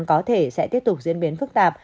có thể sẽ tiếp tục diễn biến phức tạp